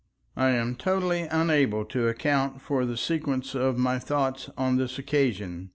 I am totally unable to account for the sequence of my thoughts on this occasion.